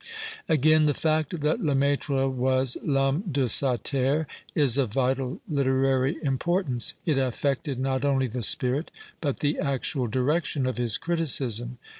Again, the fact that Lcmaitrc was " Ihomme de sa terre " is of vital literary importance ; it affected not only the spirit, but the actual direction of his criticism.